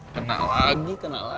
kena lagi kena lagi